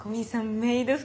メイド服